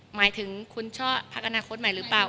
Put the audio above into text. หมายถึงคุณชอบพักอนาคตใหม่หรือเปล่า